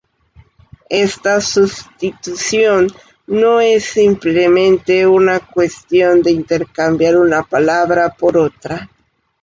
Esta substitución no es simplemente una cuestión de intercambiar una palabra por otra.